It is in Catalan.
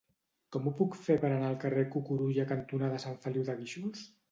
Com ho puc fer per anar al carrer Cucurulla cantonada Sant Feliu de Guíxols?